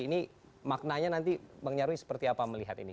ini maknanya nanti bang nyarwi seperti apa melihat ini